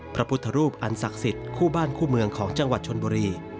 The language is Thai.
พระพุทธรูปอันศักดิ์สิทธิ์คู่บ้านคู่เมืองของจังหวัดชนบุรี